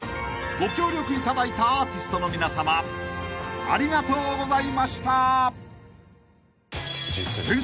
［ご協力いただいたアーティストの皆さまありがとうございました］